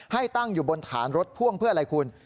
ตั้งอยู่บนฐานรถพ่วงเพื่ออะไรคุณ